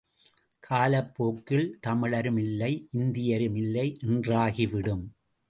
காலப்போக்கில் தமிழரும் இல்லை, இந்தியரும் இல்லை என்றாகிவிடும்.